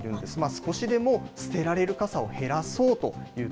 少しでも捨てられる傘を減らそう